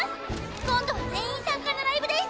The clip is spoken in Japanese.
今度は全員参加のライブです。